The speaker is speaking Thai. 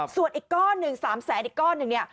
ส่วนอีกก้อนหนึ่ง๓๐๐๐๐๐บาทอีกก้อนหนึ่ง